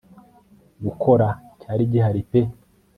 gukora cyari gihari pe